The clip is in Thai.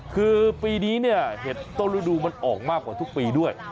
คือปีนี้เนี่ยเห็ดต้นฤดูมันออกมากว่าทุกปีด้วย